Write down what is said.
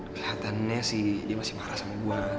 kelihatannya sih dia masih marah sama gue